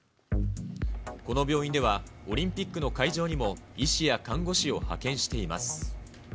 この病院では、オリンピックの会場にも医師や看護師を派遣しています。